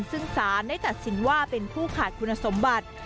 ซึ่งสารได้ตัดสินว่าเป็นผู้ขาดคุณสมบัติ